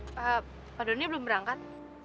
pak donnya belum berangkat